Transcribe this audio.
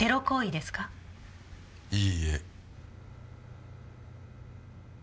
いいえ。